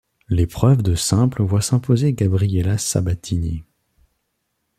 L'épreuve de simple voit s'imposer Gabriela Sabatini.